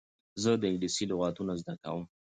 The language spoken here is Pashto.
زه د انګلېسي لغتونه زده کوم.